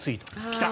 来た！